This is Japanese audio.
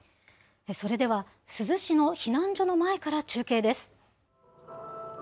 それでは、珠洲市の避難所の前から中継です。